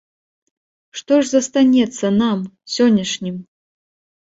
Што ж застанецца нам, сённяшнім?